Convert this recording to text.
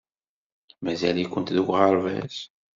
Mazal-ikent deg uɣerbaz?